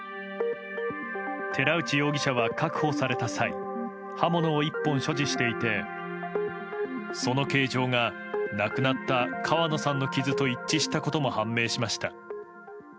寺内容疑者は確保された際刃物を１本所持していてその形状が亡くなった川野さんの傷と一致したことも判明しました。